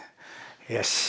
よし。